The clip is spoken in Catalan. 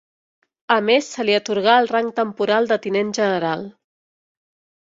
A més se li atorgà el rang temporal de tinent general.